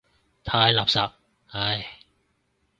太垃圾，唉。